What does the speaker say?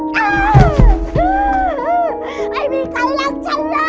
ไม่ได้มีใครรักฉันเลย